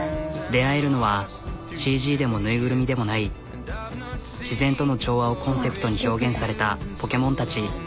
出会えるのはＣＧでも縫いぐるみでもない自然との調和をコンセプトに表現されたポケモンたち。